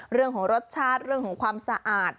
เรื่องของรสชาติเรื่องของความสะอาด